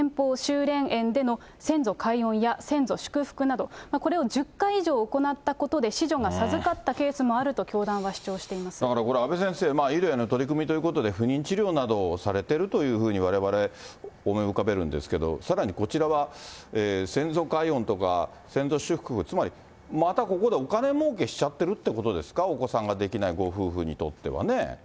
うれんえんでの先祖解怨や先祖祝福など、これを１０回以上行ったことで子女が授かったケースもあると教団だからこれ、阿部先生、取り組みということで、不妊治療などをされてるのをわれわれ思い浮かべるんですけど、さらにこちらは、先祖解怨とか、先祖祝福、またここでお金儲けしちゃってるってことですか、お子さんができないご夫婦にとってはね。